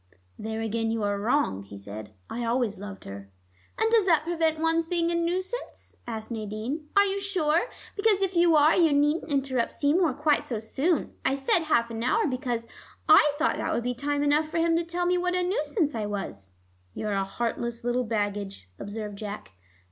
"There again you are wrong," he said. "I always loved her." "And does that prevent one's being a nuisance?" asked Nadine. "Are you sure? Because if you are, you needn't interrupt Seymour quite so soon. I said half an hour, because I thought that would be time enough for him to tell me what a nuisance I was " "You're a heartless little baggage," observed Jack.